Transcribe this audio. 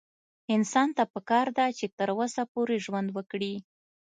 انسان ته پکار ده چې تر وسه پورې ژوند وکړي